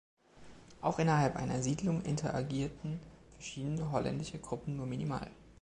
Auch innerhalb einer Siedlung interagierten verschiedene holländische Gruppen nur minimal.